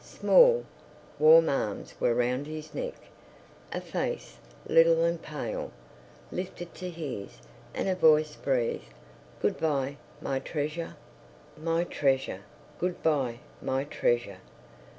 Small, warm arms were round his neck. A face, little and pale, lifted to his, and a voice breathed, "Good bye, my treasure." My treasure! "Good bye, my treasure!"